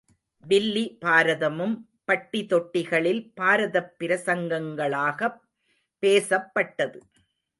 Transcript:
வில்லி பாரதமும் பட்டி தொட்டிகளில் பாரதப் பிரசங்கங்களாகப் பேசப்பட்டது.